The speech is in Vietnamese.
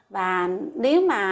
và nếu mà